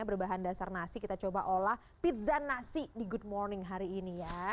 berbahan dasar nasi kita coba olah pizza nasi di good morning hari ini ya